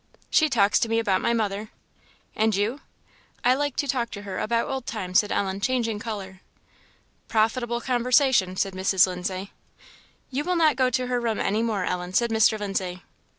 "She talks to me about my mother " "And you?" "I like to talk to her about old times," said Ellen, changing colour. "Profitable conversation!" said Mrs. Lindsay. "You will not go to her room any more, Ellen," said Mr. Lindsay.